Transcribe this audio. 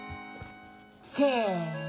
せの。